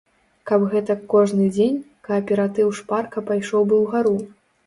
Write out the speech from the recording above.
Каб гэтак кожны дзень, кааператыў шпарка пайшоў бы ўгару.